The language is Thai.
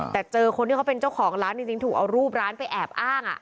แต่เจอคนที่เขาเป็นเจ้าของร้านจริงถูกเอารูปร้านไปแอบอ้าง